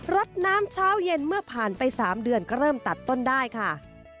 รดน้ำเช้าเย็นเมื่อผ่านไป๓เดือนก็เริ่มตัดต้นได้ค่ะ